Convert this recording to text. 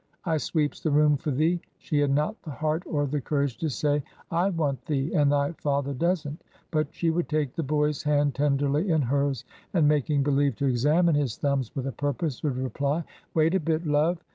I sweeps the room for thee,"—she had not the heart or the courage to say, "I want thee, and thy father doesn't," but she would take the boy's hand tenderly in hers, and making believe to examine his thumbs with a purpose, would reply, "Wait a bit, love.